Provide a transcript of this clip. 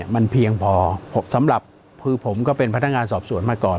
มันเพียงพอสำหรับคือผมก็เป็นพนักงานสอบสวนมาก่อน